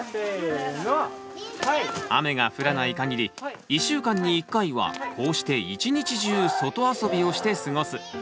雨が降らないかぎり１週間に１回はこうして一日中外遊びをして過ごす。